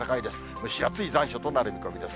蒸し暑い残暑となりそうです。